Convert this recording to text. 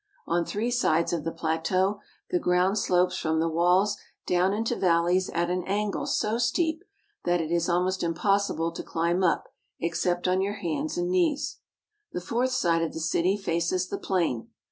On three sides of the plateau the ground slopes from the walls down into valleys at an angle so steep that it is almost impossible to climb up except on your hands and knees. The fourth side of the city faces the plain.